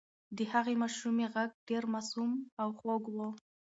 د هغې ماشومې غږ ډېر معصوم او خوږ و.